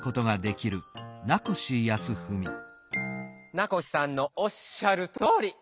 名越さんのおっしゃるとおり！